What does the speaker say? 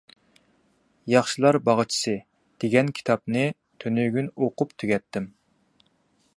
«ياخشىلار باغچىسى» دېگەن كىتابنى تۈنۈگۈن ئوقۇپ تۈگەتتىم.